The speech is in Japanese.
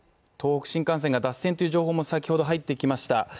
東北新幹線が脱線という情報も先ほど入ってきました